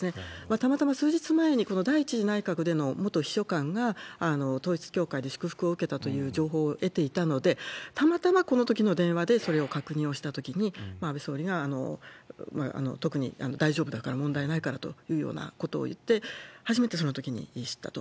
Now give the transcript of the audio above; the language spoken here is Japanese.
たまたま数日前に、この第１次内閣での元秘書官が統一教会で祝福を受けたという情報を得ていたので、たまたまこのときの電話でそれを確認をしたときに、安倍総理が、特に大丈夫だから、問題はないからというようなことを言って、初めてそのときに知ったと。